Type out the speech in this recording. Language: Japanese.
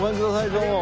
どうも。